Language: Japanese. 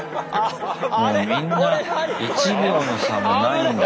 もうみんな１秒の差もないんだ。